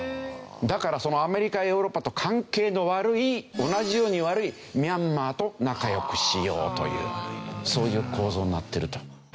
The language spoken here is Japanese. だからアメリカやヨーロッパと関係の悪い同じように悪いミャンマーと仲良くしようというそういう構造になってると。